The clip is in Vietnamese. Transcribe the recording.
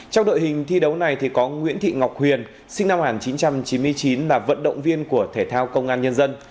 trong đội hình thi đấu này có nguyễn thị ngọc huyền sinh năm một nghìn chín trăm chín mươi chín là vận động viên của thể thao công an nhân dân